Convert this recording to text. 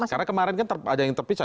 karena kemarin kan ada yang terpisah